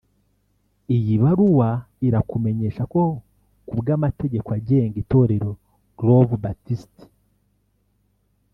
iyi baruwa irakumenyesha ko ku bw’amategeko agenga Itorero Grove Baptist